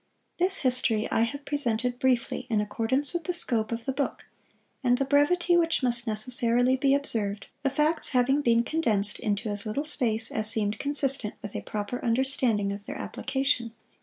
This history I have presented briefly, in accordance with the scope of the book, and the brevity which must necessarily be observed, the facts having been condensed into as little space as seemed consistent with a proper understanding of their application.